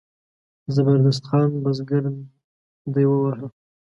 د زبردست خان بزګر دی وواهه.